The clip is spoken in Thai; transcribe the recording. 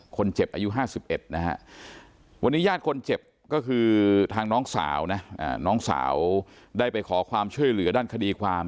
คนเจ็บอายุ๕๑นะฮะวันนี้ญาติคนเจ็บก็คือทางน้องสาวนะน้องสาวได้ไปขอความช่วยเหลือด้านคดีความ